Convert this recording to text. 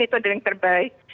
itu adalah yang terbaik